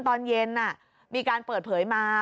ตอนเย็นมีการเปิดเผยมา